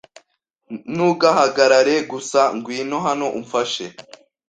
Ntugahagarare gusa. Ngwino hano umfashe.